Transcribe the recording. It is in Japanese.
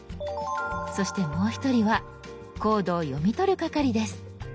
そしてもう一人はコードを読み取る係です。